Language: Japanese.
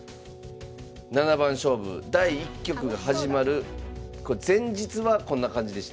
七番勝負第１局が始まる前日はこんな感じでした。